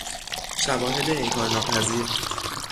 شواهد انکار ناپذیر